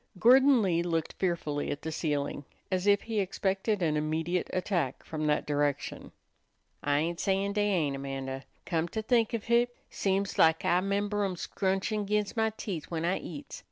Gordon Lee looked fearfully at the ceiling, as if he expected an immediate attack from that direction. "I ain't sayin' dey ain't, Amanda. Come to think of hit, seems lak I 'member 'em scrunchin' 'g'inst my teeth when I eats.